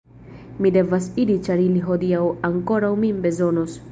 Mi devas iri ĉar ili hodiaŭ ankoraŭ min bezonos.